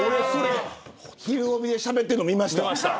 ひるおびでしゃべってるの見ました。